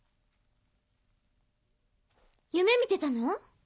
夢見てたの？